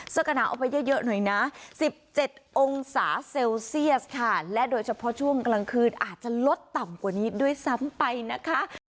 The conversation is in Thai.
เสื้อกระหนาวออกไปเยอะหน่อยนะ๑๗องศาเซลเซียสค่ะและโดยเฉพาะช่วงกลางคืนอาจจะลดต่ำกว่านี้ด้วยซ้ำไปนะคะ